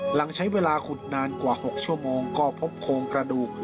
หลังใช้เวลาขุดนานกว่า๖ชั่วโมงก็พบโครงกระดูก